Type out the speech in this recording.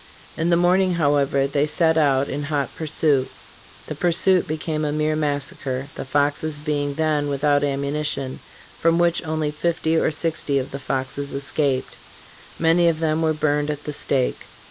In the morning, however, they set out in hot pursuit." The pursuit became a mere massacre (the Foxes being then without ammunition), from which only fifty or sixty of the Foxes escaped. Many of them were burned at the stake.